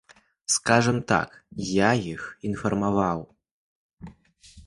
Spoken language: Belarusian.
Скажам так, я іх інфармаваў.